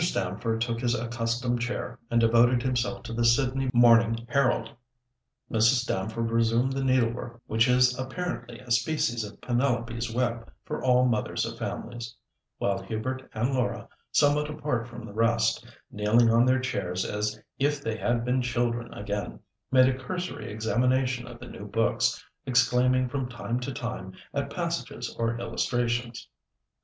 Stamford took his accustomed chair, and devoted himself to the Sydney Morning Herald. Mrs. Stamford resumed the needlework which is apparently a species of Penelope's web for all mothers of families, while Hubert and Laura, somewhat apart from the rest, kneeling on their chairs as if they had been children again, made a cursory examination of the new books, exclaiming from time to time at passages or illustrations.